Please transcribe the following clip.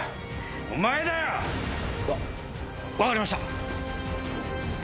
お前だよ！わ分かりました。